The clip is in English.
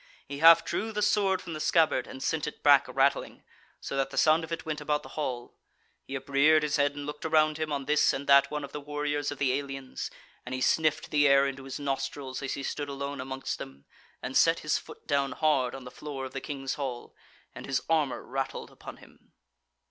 He half drew the sword from the scabbard, and sent it back rattling, so that the sound of it went about the hall; he upreared his head and looked around him on this and that one of the warriors of the aliens, and he sniffed the air into his nostrils as he stood alone amongst them, and set his foot down hard on the floor of the King's hall, and his armour rattled upon him.